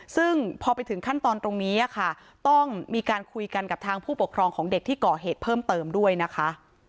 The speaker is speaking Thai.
ซึ่งพอไปถึงขั้นตอนตรงนี้ค่ะต้องมีการคุยกันกับทางผู้ปกครองของเด็กที่ก่อเหตุเพิ่มเติมด้วยนะคะ